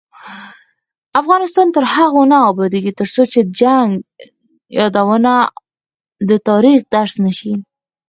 افغانستان تر هغو نه ابادیږي، ترڅو د جنګ یادونه د تاریخ درس نشي.